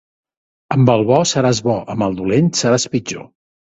Amb el bo seràs bo, amb el dolent seràs pitjor.